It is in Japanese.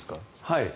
はい。